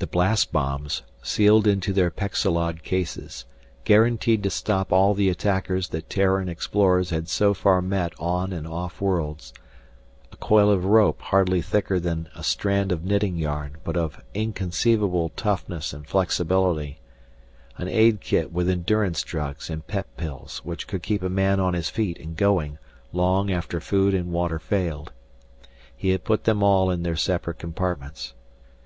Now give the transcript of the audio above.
The blast bombs, sealed into their pexilod cases, guaranteed to stop all the attackers that Terran explorers had so far met on and off worlds, a coil of rope hardly thicker than a strand of knitting yarn but of inconceivable toughness and flexibility, an aid kit with endurance drugs and pep pills which could keep a man on his feet and going long after food and water failed. He had put them all in their separate compartments.